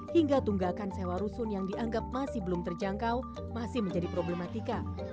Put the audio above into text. hingga tunggakan sewa rusun yang dianggap masih belum terjangkau masih menjadi problematika